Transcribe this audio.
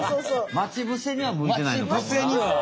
待ち伏せにはむいてないね。